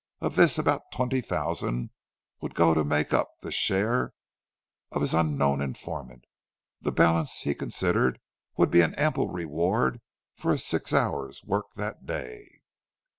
Of this about twenty thousand would go to make up the share of his unknown informant; the balance he considered would be an ample reward for his six hours' work that day.